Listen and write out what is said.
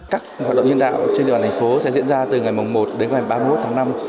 các hoạt động nhân đạo trên đoàn thành phố sẽ diễn ra từ ngày một đến ngày ba mươi một tháng năm